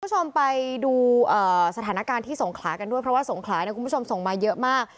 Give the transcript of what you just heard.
คุณผู้ชมไปดูสถานการณ์ที่สงขลากันด้วยเพราะว่าสงขลาเนี่ยคุณผู้ชมส่งมาเยอะมาก